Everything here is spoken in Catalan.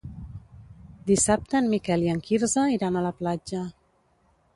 Dissabte en Miquel i en Quirze iran a la platja.